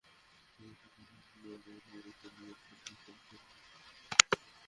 তাই বছরে একটা নির্দিষ্ট সময়ে আর বৃহঃস্পতি ও পৃথিবীর মধ্যে দূরত্ব সবচেয়ে বেশি হয়।